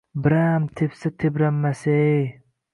Biraam tepsa tebranmassaneey.